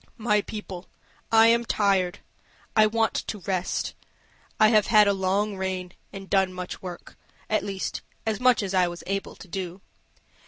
"My people, I am tired: I want to rest. I have had a long reign, and done much work at least, as much as I was able to do.